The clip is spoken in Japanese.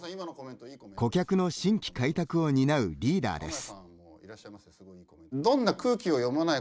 顧客の新規開拓を担うリーダーです。